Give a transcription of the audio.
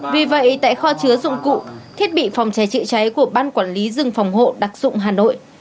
vì vậy tại kho chứa dụng cụ thiết bị phòng cháy trị cháy của ban quản lý rừng phòng hộ đặc dụng hà nội